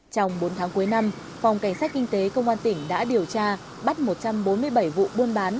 trong bốn tháng cuối năm phòng cảnh sát kinh tế công an tỉnh đã điều tra bắt một trăm bốn mươi bảy vụ buôn bán